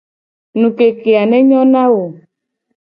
Ngukeke a ne nyo na wo.